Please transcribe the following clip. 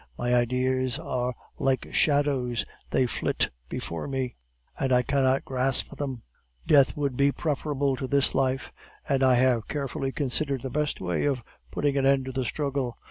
My ideas are like shadows; they flit before me, and I cannot grasp them. Death would be preferable to this life, and I have carefully considered the best way of putting an end to the struggle.